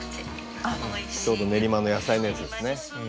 ちょうど「練馬の野菜」のやつですね。